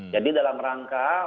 jadi dalam rangka